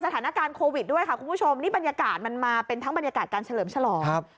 สถานการณ์โควิดด้วยค่ะคุณผู้ชมนี่บรรยากาศมันมาเป็นทั้งบรรยากาศการเฉลิมฉลองครับ